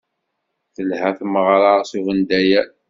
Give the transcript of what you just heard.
Telha tmeɣra s ubendayer.